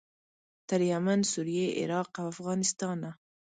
تر یمن، سوریې، عراق او افغانستانه.